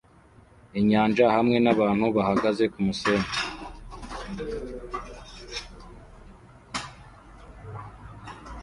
Inyanja hamwe nabantu bahagaze kumusenyi